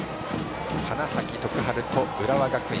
花咲徳栄と浦和学院。